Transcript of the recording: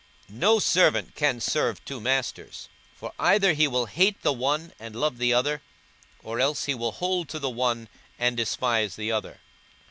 42:016:013 No servant can serve two masters: for either he will hate the one, and love the other; or else he will hold to the one, and despise the other.